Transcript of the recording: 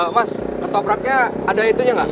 mas ketopraknya ada itunya nggak